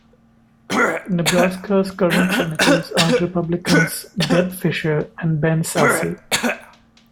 Nebraska's current senators are Republicans Deb Fischer and Ben Sasse.